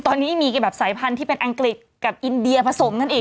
ตอนนี้มีแบบสายพันธุ์ที่เป็นอังกฤษกับอินเดียผสมกันอีก